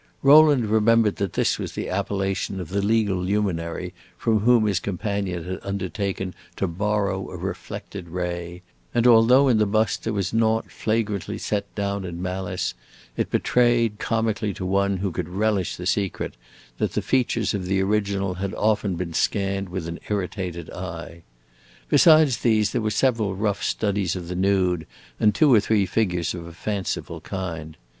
Rowland remembered that this was the appellation of the legal luminary from whom his companion had undertaken to borrow a reflected ray, and although in the bust there was naught flagrantly set down in malice, it betrayed, comically to one who could relish the secret, that the features of the original had often been scanned with an irritated eye. Besides these there were several rough studies of the nude, and two or three figures of a fanciful kind.